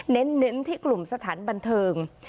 เน้นที่กลุ่มสถานบันเทิง